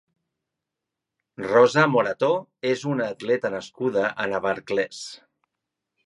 Rosa Morató és una atleta nascuda a Navarcles.